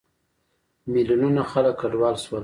میلیونونه خلک کډوال شول.